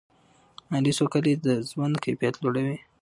مالي سوکالي د ژوند کیفیت لوړوي.